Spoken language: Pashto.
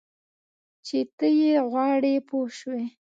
چې ته یې غواړې پوه شوې!.